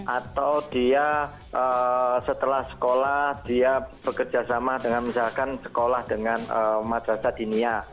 atau dia setelah sekolah dia bekerjasama dengan misalkan sekolah dengan madrasa dinia